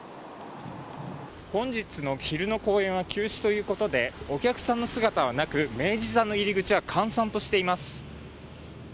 本日の昼の公演は休止ということでお客さんの姿はなく明治座の入り口は閑散としています。